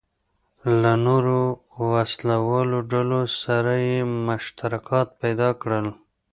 له نورو وسله والو ډلو سره یې مشترکات پیدا کړل.